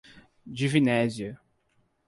Divinésia